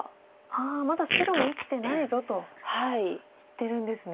ああまだ白も生きてないぞと言ってるんですね。